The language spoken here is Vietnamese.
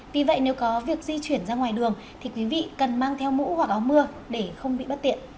vì vậy nếu có việc di chuyển ra ngoài đường thì quý vị cần mang theo mũ hoặc áo mưa để không bị bất tiện